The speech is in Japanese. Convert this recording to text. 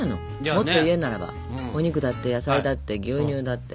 もっと言うならばお肉だって野菜だって牛乳だって。